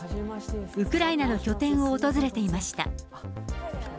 ウクライナの拠点を訪れていました。